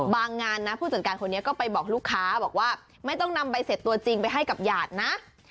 งานนะผู้จัดการคนนี้ก็ไปบอกลูกค้าบอกว่าไม่ต้องนำใบเสร็จตัวจริงไปให้กับหยาดนะ